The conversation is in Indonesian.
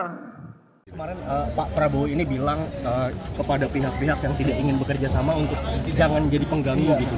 kemarin pak prabowo ini bilang kepada pihak pihak yang tidak ingin bekerja sama untuk jangan jadi pengganggu gitu